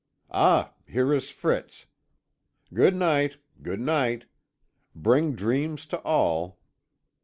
Ah, here is Fritz. Good night, good night. Bright dreams to all.